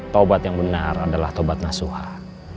tawabat yang benar adalah tobat nasuhat